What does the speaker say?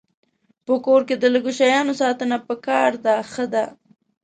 په کور کې د لږو شیانو ساتنه پکار ده ښه ده.